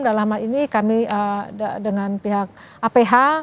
dalam hal ini kami dengan pihak aph